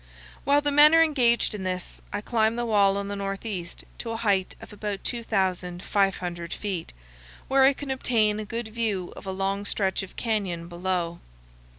While the men are engaged in this I climb the wall on the northeast to a height of about 2,500 feet, where I can obtain a good view of a long stretch of canyon below.